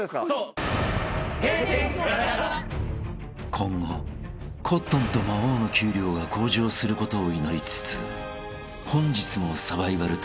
［今後コットンと魔王の給料が向上することを祈りつつ本日も］